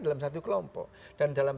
dalam satu kelompok dan dalam